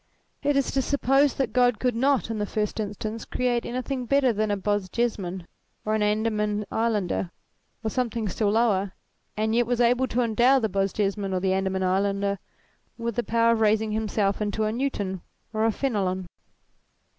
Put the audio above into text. It is to suppose that God could not, in the first instance, create anything better than a Bosjesman or an Andaman islander, or something still lower ; and yet was able to endow the Bosjesman or the Andaman islander with the power of raising himself into a Newton or a Fenelon.